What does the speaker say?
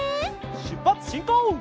しゅっぱつしんこう！